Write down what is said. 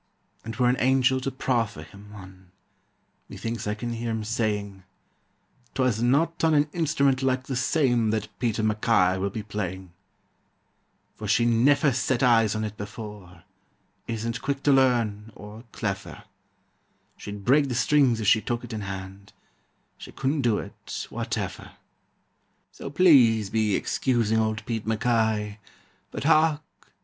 And were an angel to proffer him one, Methinks I can hear him saying: "'Twas not on an instrument like the same That Pete MacKay will be playing, "For she neffer set eyes on it before, Isn't quick to learn, or cleffer; She'd break the strings if she took it in hand, She couldn't do it, whateffer. "So please be excusing old Pete MacKay But hark!